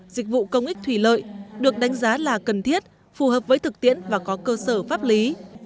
dịch vụ công ích thủy lợi được đánh giá là cần thiết phù hợp với thực tiễn và có cơ sở pháp lý